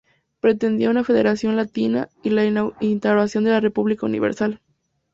Pretendía una federación latina y la instauración de una República universal.